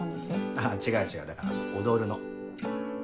あぁ違う違うだから『踊る』の。